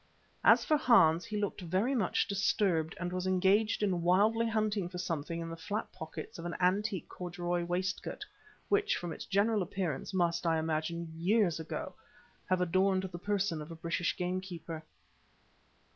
As for Hans, he looked much disturbed, and was engaged in wildly hunting for something in the flap pockets of an antique corduroy waistcoat which, from its general appearance, must, I imagine, years ago have adorned the person of a British game keeper.